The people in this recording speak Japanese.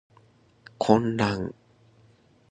混乱